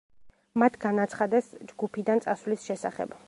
მათ განაცხადეს ჯგუფიდან წასვლის შესახებ.